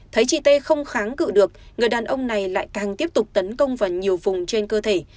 thấy chị tê không kháng cự được người đàn ông này lại càng tiếp tục tấn công vào nhiều vùng trên cơ thể